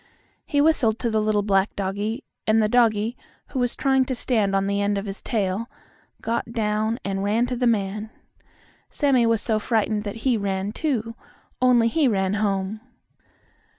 He whistled to the little black doggie, and the doggie, who was trying to stand on the end of his tail, got down and ran to the man. Sammie was so frightened that he ran, too, only he ran home.